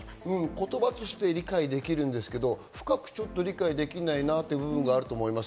言葉として理解できるんですけど、深く理解できないなという部分があると思います。